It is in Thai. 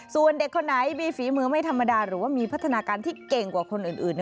ส่วนเด็กคนไหนมีฝีมือไม่ธรรมดาหรือว่ามีพัฒนาการที่เก่งกว่าคนอื่น